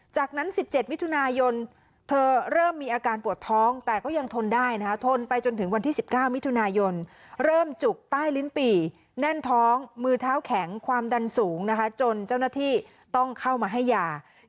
จากนั้น๑๗มิถุนายนเธอเริ่มมีอาการปวดท้องแต่ก็ยังทนได้นะคะทนไปจนถึงวันที่๑๙มิถุนายนเริ่มจุกใต้ลิ้นปี่แน่นท้องมือเท้าแข็งความดันสูงนะคะจนเจ้าหน้าที่ต้องเข้ามาให้ยา